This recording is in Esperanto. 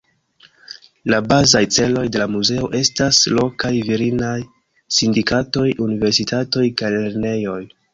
La bazaj celoj de la muzeo estas lokaj virinaj sindikatoj, universitatoj kaj lernejoj.